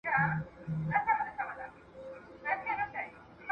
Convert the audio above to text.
څه شی د ښځو اقتصادي خپلواکي تضمینوي؟